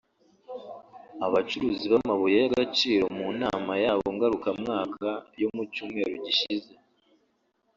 Abacuruzi b’amabuye y’agaciro mu nama yabo ngarukamwaka yo mu cyumweru gishize